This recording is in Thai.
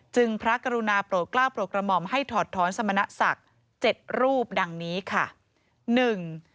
พระกรุณาโปรดกล้าวโปรดกระหม่อมให้ถอดท้อนสมณศักดิ์เจ็ดรูปดังนี้ค่ะหนึ่ง